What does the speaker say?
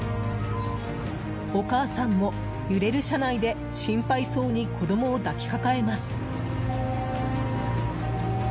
お母さんも揺れる車内で心配そうに子供を抱きかかえます。